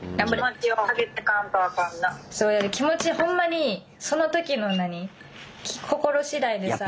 気持ちほんまにその時の何心次第でさ。